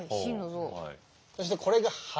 そしてこれが肺。